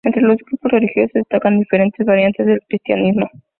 Entre los grupos religiosos destacan diferentes variantes del cristianismo.